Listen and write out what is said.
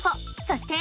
そして。